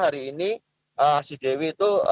hari ini si dewi itu